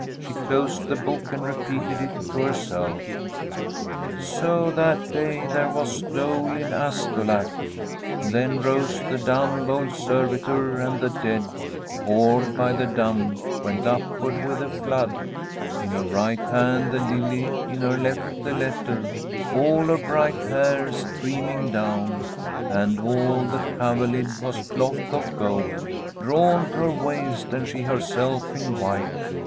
She closed the book, and repeated it to herself. "So that day there was dole in Astolat. ......... Then rose the dumb old servitor, and the dead, Oared by the dumb, went upward with the flood In her right hand the lily, in her left The letter all her bright hair streaming down And all the coverlid was cloth of gold Drawn to her waist, and she herself in white.